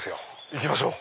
行きましょう。